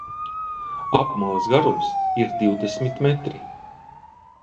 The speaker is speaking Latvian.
Apmales garums ir divdesmit metri.